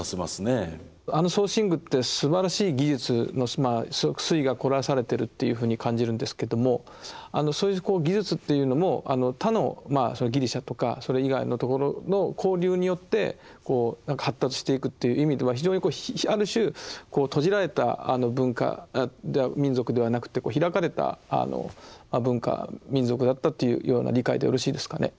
あの装身具ってすばらしい技術の粋が凝らされてるというふうに感じるんですけどもそういう技術っていうのも他のギリシャとかそれ以外のところの交流によって発達していくという意味では非常にある種閉じられた文化民族ではなくて開かれた文化民族だったというような理解でよろしいですかね？